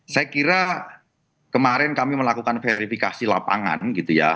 saya kira kemarin kami melakukan verifikasi lapangan gitu ya